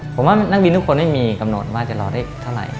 ผมว่านักบินทุกคนไม่มีกำหนดว่าจะรอได้เท่าไหร่